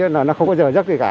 nó không bao giờ rất kỳ cả